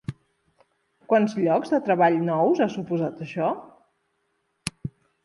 Quants llocs de treball nous ha suposat això?